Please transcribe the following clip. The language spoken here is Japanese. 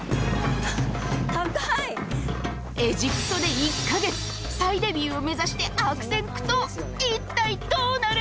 エジプトで１か月再デビューを目指して悪戦苦闘一体どうなる！？